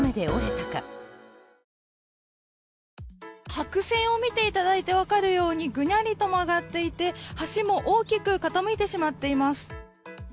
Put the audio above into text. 白線を見ていただいて分かるようにぐにゃりと曲がっていて、橋も大きく傾いてしまっています。